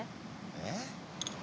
えっ？